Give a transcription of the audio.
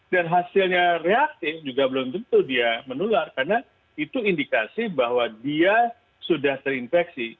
dan hasilnya reaktif juga belum tentu dia menular karena itu indikasi bahwa dia sudah terinfeksi